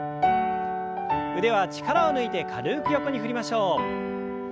腕は力を抜いて軽く横に振りましょう。